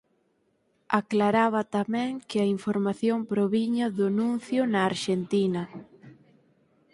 Aclaraba tamén que a información proviña do Nuncio na Arxentina.